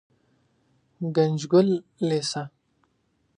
ګنجګل لېسه